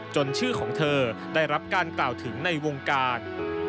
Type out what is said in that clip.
ชื่อของเธอได้รับการกล่าวถึงในวงการ